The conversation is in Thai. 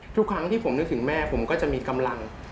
ทุกครั้งที่ผมนึกถึงแม่ผมก็จะมีกำลัง